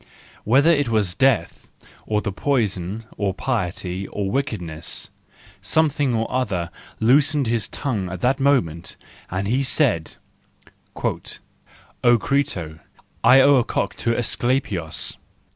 Whether it was death, or the poison, or piety, or wickedness—something or other loosened his tongue at that moment, and he said: " O Crito, I owe a cock to Asclepios."